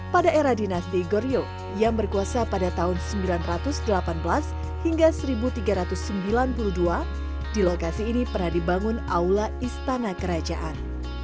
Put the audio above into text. pada era dinasti gorio yang berkuasa pada tahun seribu sembilan ratus delapan belas hingga seribu tiga ratus sembilan puluh dua di lokasi ini pernah dibangun aula istana kerajaan